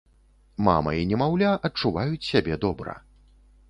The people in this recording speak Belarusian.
Мама і немаўля адчуваюць сябе добра.